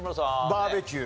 バーベキュー。